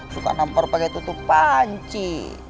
suka nampar pakai tutup panci